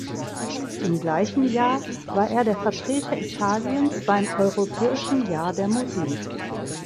Im gleichen Jahr war er der Vertreter Italiens beim "Europäischen Jahr der Musik".